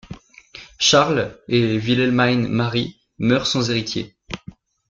Charles et Wilhelmine Marie meurent sans héritier.